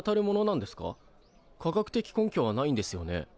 科学的根拠はないんですよね？